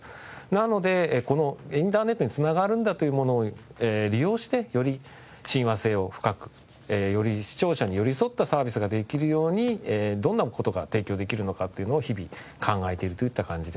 なのでこのインターネットにつながるんだというものを利用してより親和性を深くより視聴者に寄り添ったサービスができるようにどんな事が提供できるのかっていうのを日々考えているといった感じです。